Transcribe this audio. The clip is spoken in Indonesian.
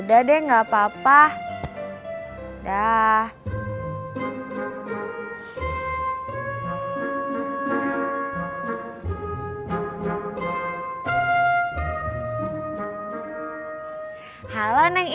ntar siang beliin nasi padang ya bang